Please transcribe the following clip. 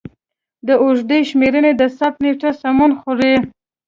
د اوږدې شمېرنې د ثبت نېټه سمون خوري.